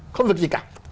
không được gì cả